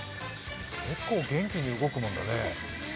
結構元気に動くもんだね。